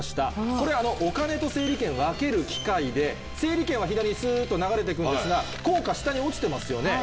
これお金と整理券分ける機械で整理券は左にスっと流れていくんですが硬貨下に落ちてますよね